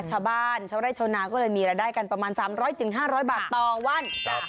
ชาวบ้านชาวไร่ชาวนาก็เลยมีรายได้กันประมาณ๓๐๐๕๐๐บาทต่อวัน